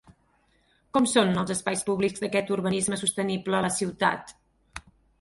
Com són els espais públics d'aquest urbanisme sostenible a la ciutat?